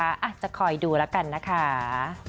อาจจะคอยดูแล้วกันนะคะ